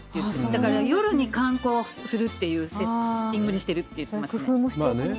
だからね、夜に観光するっていうセッティングにしてるって言ってましたね。